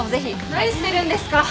何してるんですか？